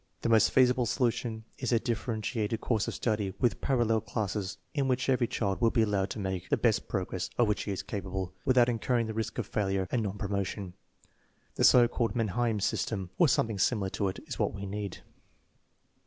The most feasible solution is a differen tiated course of study with parallel classes in which every child will be allowed to make the best progress of which he is capable, without incurring the risk of failure and non 94 THE MEASUREMENT OF INTELLIGENCE promotion. The so called Mannheim system, or something similar to it, is what we need.